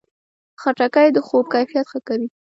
خټکی د خوب کیفیت ښه کوي.